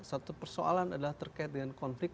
satu persoalan adalah terkait dengan konflik